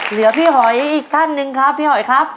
เหลือพี่หอยอีกท่านหนึ่งครับพี่หอยครับ